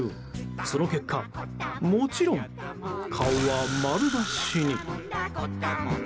その結果もちろん顔は丸出しに。